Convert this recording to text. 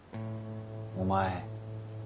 お前。